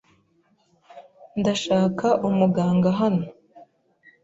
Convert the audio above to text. Ndashaka umuganga hano!